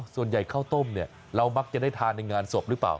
ส่วนใหญ่ข้าวต้มเรามักจะได้ทานในงานศพหรือเปล่า